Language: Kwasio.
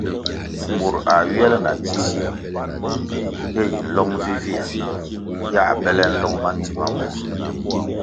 Mur a ywia le na dzi si, ye yi nlong vivihya yā bele nlong ma ndzima mur.